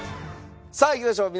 さあいきましょう。